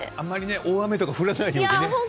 大雨とか降らないようにね。